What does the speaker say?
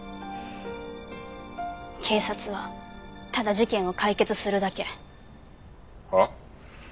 警察はただ事件を解決するだけ。は？